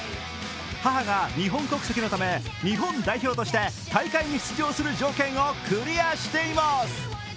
母が日本国籍のため日本代表として大会に出場する条件をクリアしています。